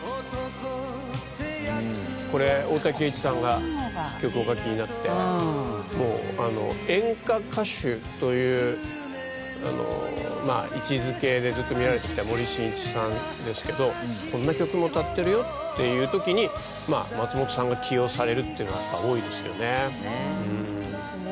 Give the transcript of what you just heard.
これ、大滝詠一さんが曲をお書きになってもう演歌歌手という位置付けでずっと見られてきた森進一さんですけど、こんな曲も歌ってるよっていう時に松本さんが起用されるっていうのは多いですよね。